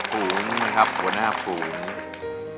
เปลี่ยนเพลงเพลงเก่งของคุณและข้ามผิดได้๑คำ